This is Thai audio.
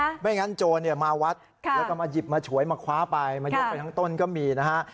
ไม่งั้นโจรเนี่ยมาวัดแล้วก็มาหยิบมาฉวยมาคว้าไปมายกไปทั้งต้นก็มีนะฮะ